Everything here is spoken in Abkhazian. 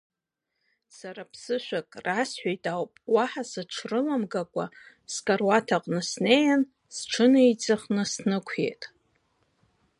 Сара аԥсышәак расҳәеит ауп уаҳа сыҽ-рыламгалакәа, скаруаҭ аҟны снеин, сҽынеиҵыхны снықәиеит.